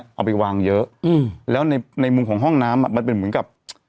เอาไปวางเยอะอืมแล้วในในมุมของห้องน้ำอ่ะมันเป็นเหมือนกับ